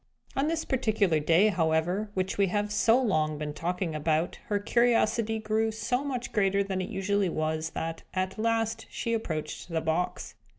On this particular day, however, which we have so long been talking about her curiosity grew so much greater than it usually was, that, at last, she approached the box.